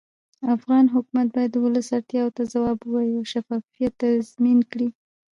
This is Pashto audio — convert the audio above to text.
افغان حکومت باید د ولس اړتیاوو ته ځواب ووایي او شفافیت تضمین کړي